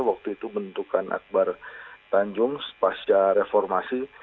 waktu itu bentukan akbar tanjung pasca reformasi